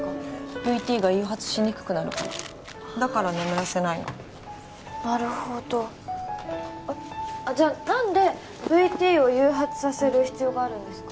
ＶＴが誘発しにくくなるからだから眠らせないのなるほどあっじゃあ何でＶＴを誘発させる必要があるんですか？